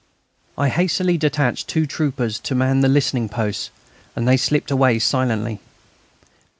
I hastily detached two troopers to man the listening posts, and they slipped away silently.